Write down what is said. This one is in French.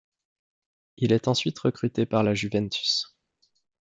Il est ensuite recruté par la Juventus.